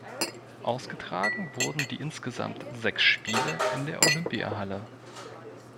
Ausgetragen wurden die insgesamt sechs Spiele in der Olympiahalle.